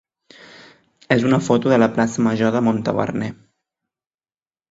és una foto de la plaça major de Montaverner.